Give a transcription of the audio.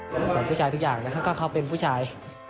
เหมือนผู้ชายทุกอย่างแล้วก็เขาเป็นผู้ชาย